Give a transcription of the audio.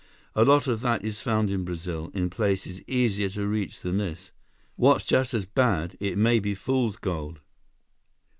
A lot of that is found in Brazil, in places easier to reach than this. What's just as bad, it may be fool's gold."